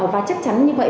và chắc chắn như vậy